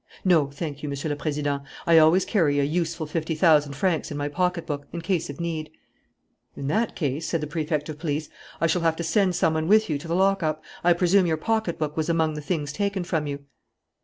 "No, thank you, Monsieur le Président. I always carry a useful fifty thousand francs in my pocket book, in case of need." "In that case," said the Prefect of Police, "I shall have to send some one with you to the lockup. I presume your pocket book was among the things taken from you."